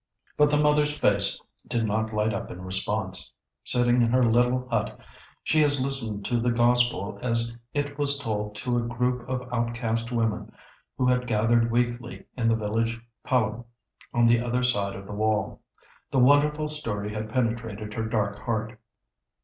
But the mother's face did not light up in response. Sitting in her little hut she has listened to the Gospel as it was told to a group of outcast women who had gathered weekly in the village palim on the other side of the wall. The wonderful story had penetrated her dark heart.